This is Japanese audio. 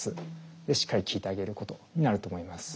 でしっかり聞いてあげることになると思います。